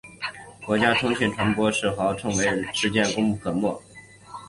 国家通讯传播委员会主委石世豪称网友在此事件功不可没。